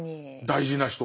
大事な人。